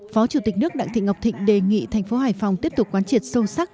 phó chủ tịch nước đặng thị ngọc thịnh đề nghị thành phố hải phòng tiếp tục quán triệt sâu sắc